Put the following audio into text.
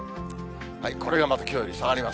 これがまたきょうより下がります。